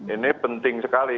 ini penting sekali